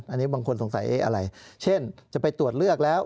อันนี้บางคนสงสัยอะไรเช่นจะไปตรวจเลือกแล้ว